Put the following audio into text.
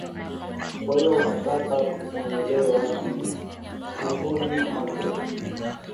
Kwahiyo unataka tukaongelee wapi Alihoji Magreth